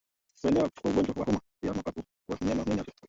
Kuenea kwa ugonjwa wa homa ya mapafu kwa mnyama mwenye afya